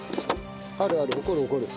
あるある怒る怒る。